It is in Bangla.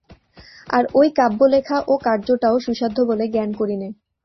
আর ঐ কাব্য লেখা, ও কার্যটাও সুসাধ্য বলে জ্ঞান করি নে।